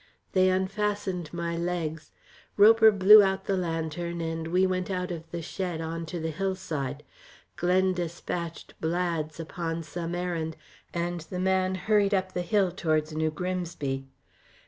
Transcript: They unfastened my legs. Roper blew out the lantern, and we went out of the shed, on to the hillside. Glen despatched Blads upon some errand, and the man hurried up the hill towards New Grimsby.